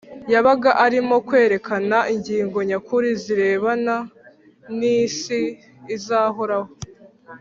yabaga arimo kwerekana ingingo nyakuri zirebana n’isi izahoraho